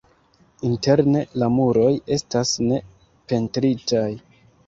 Interne la muroj estas ne pentritaj.